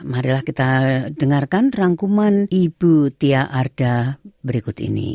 marilah kita dengarkan rangkuman ibu tia arda berikut ini